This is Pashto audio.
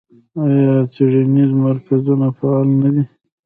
آیا څیړنیز مرکزونه فعال نه دي؟